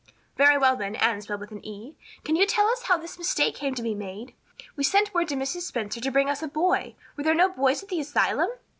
"Very well, then, Anne spelled with an E, can you tell us how this mistake came to be made? We sent word to Mrs. Spencer to bring us a boy. Were there no boys at the asylum?"